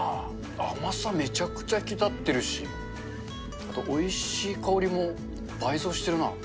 甘さめちゃくちゃ引き立ってるし、あと、おいしい香りも倍増してるな。